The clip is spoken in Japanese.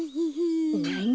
なに？